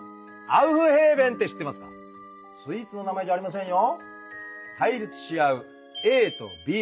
スイーツの名前じゃありませんよ。